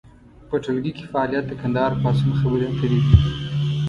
په ټولګي کې فعالیت د کندهار پاڅون خبرې اترې دي.